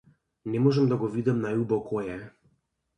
Не можам да го видам најубо кој је.